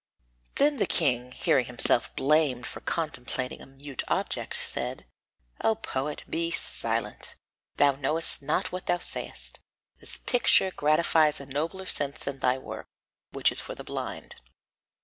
Then the king, hearing himself blamed for contemplating a mute object, said: "O poet, be silent, thou knowest not what thou sayest; this picture gratifies a nobler sense than thy work, which is for the blind.